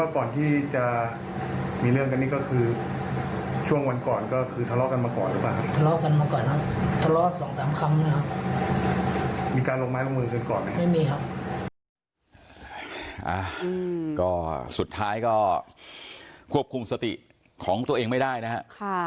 ก็สุดท้ายก็ควบคุมสติของตัวเองไม่ได้นะฮะ